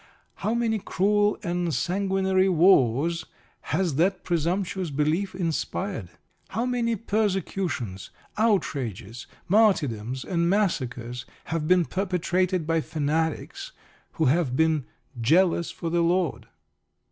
How many cruel and sanguinary wars has that presumptuous belief inspired? How many persecutions, outrages, martyrdoms, and massacres have been perpetrated by fanatics who have been "jealous for the Lord?"